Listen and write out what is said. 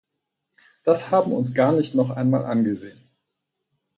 Das haben uns gar nicht noch einmal angesehen.